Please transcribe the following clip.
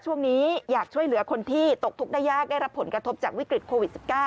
ช่วงนี้อยากช่วยเหลือคนที่ตกทุกข์ได้ยากได้รับผลกระทบจากวิกฤตโควิด๑๙